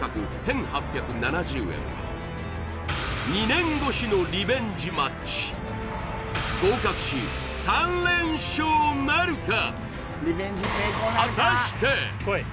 ２年越しのリベンジマッチ合格し３連勝なるか？